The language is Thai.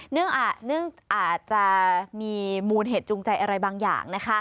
อาจจะมีมูลเหตุจูงใจอะไรบางอย่าง